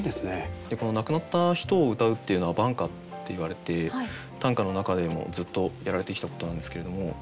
この亡くなった人をうたうっていうのは挽歌っていわれて短歌の中でもずっとやられてきたことなんですけれども。